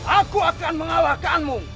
aku akan mengalahkanmu